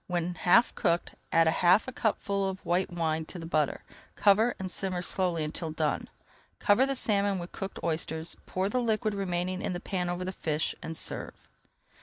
When half cooked, add half a cupful of white wine to the butter, cover, and simmer slowly until done. Cover the salmon with cooked oysters, pour the liquid remaining in the pan over the fish, and serve.